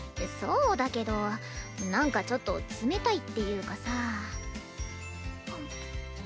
そうだけどなんかちょっと冷たいっていうかさ。